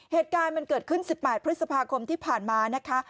เหตุการณ์มันเกิดขึ้น๑๘พฤษภาคมที่ผ่านมานะคะ